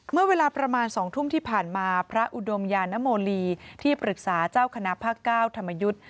เมื่อเวลาประมาณ๒ทุ่มที่ผ่านมาพระอุดมยานโมลีที่ปรึกษาเจ้าคณะภาค๙ธรรมยุทธ์